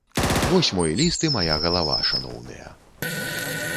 Вось мой ліст і мая галава, шаноўныя.